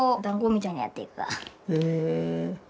へえ。